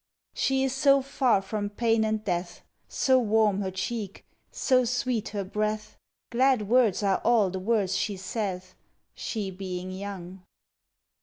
She is so far from pain and death, So warm her cheek, so sweet her breath Glad words are all the words she saith, She being young.